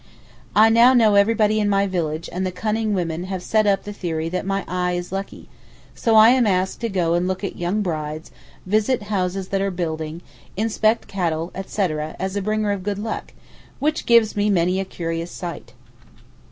I now know everybody in my village and the 'cunning women' have set up the theory that my eye is lucky; so I am asked to go and look at young brides, visit houses that are building, inspect cattle, etc. as a bringer of good luck—which gives me many a curious sight.